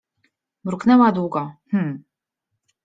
Mruknęła długo: — Hmmm.